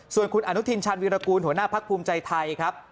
ส่วนคุณอนุทินชาญวิรากูลหัวหน้าพักภูมิใจไทยครับ